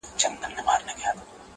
چا له نظره کړې د ښکلیو د مستۍ سندري.